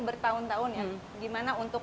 bertahun tahun ya gimana untuk